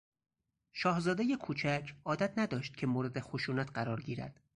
شاهزادهی کوچک عادت نداشت که مورد خشونت قرار گیرد.